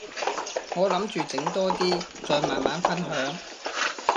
我諗住整多啲，再慢慢分享